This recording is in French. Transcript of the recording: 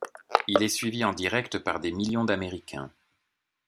Il est suivi en direct par des millions d'Américains.